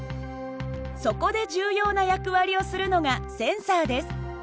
そこで重要な役割をするのがセンサーです。